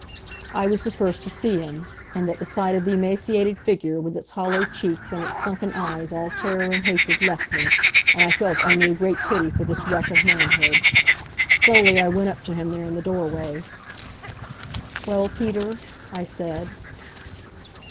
I was the first to see him. And at the sight of the emaciated figure, with its hollow cheeks and its sunken eyes all terror and hatred left me, and I felt only a great pity for this wreck of manhood. Slowly I went up to him there in the doorway. "Well, Peter?" I said.